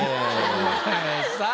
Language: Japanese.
お前さぁ。